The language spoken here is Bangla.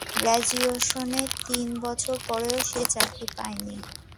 গ্র্যাজুয়েশনের তিন বছর পরেও সে চাকরি পায়নি।